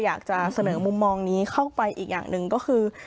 อยากจะเสนอมุมมองนี้เข้าไปอีกอย่างหนึ่งก็คือ